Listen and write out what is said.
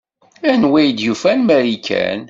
Anwa i d-yufan Marikan?